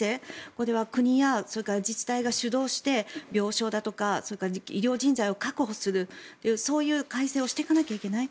これは国や自治体が主導して病床だとか医療人材を確保するそういう改正をしていかなきゃいけない。